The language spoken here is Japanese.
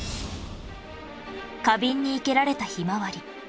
花瓶に生けられたひまわり